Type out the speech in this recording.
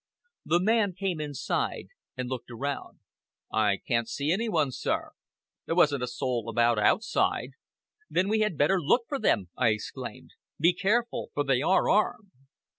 The man came inside, and looked around him. "I can't see any one, sir! There wasn't a soul about outside." "Then we had better look for them!" I exclaimed. "Be careful, for they are armed."